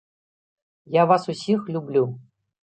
Я вас усіх люблю!